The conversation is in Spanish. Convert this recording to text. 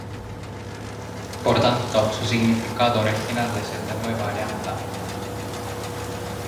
Por tanto, su significado original es el de "Nueva Alianza".